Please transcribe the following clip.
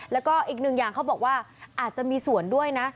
แล้วก็อีกหนึ่งอย่างเขาบอกว่าอาจจะมีส่วนด้วยนะ